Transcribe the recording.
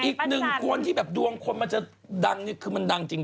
อีกหนึ่งคนที่แบบดวงคนมันจะดังนี่คือมันดังจริง